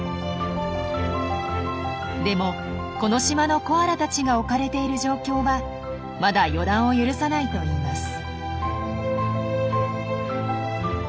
でもこの島のコアラたちが置かれている状況はまだ予断を許さないといいます。